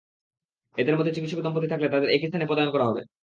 এদের মধ্যে চিকিৎসক দম্পতি থাকলে তাঁদের একই স্থানে পদায়ন করা হবে।